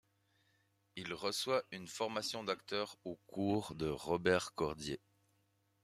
Il reçoit une formation d'acteur au cours de Robert Cordier.